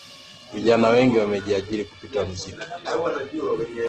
Vijana wengi wamejiajiri kupitia muziki huu kuna wasanii maprodyuza na waongozaji wa video